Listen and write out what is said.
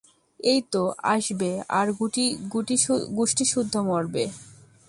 এইতো, আসবে আর গুষ্টিসুদ্ধা মরবে।